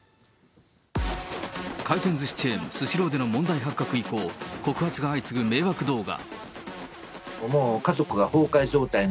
回転ずしチェーン、スシローでの問題発覚以降、告発が相次ぐ迷惑動画。